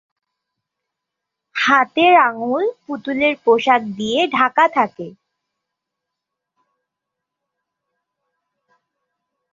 হাতের আঙ্গুল পুতুলের পোশাক দিয়ে ঢাকা থাকে।